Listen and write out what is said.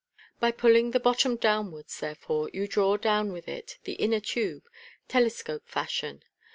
By pulling the bot tom downwards, therefore, you draw down with it the inner tube, telescope fashion.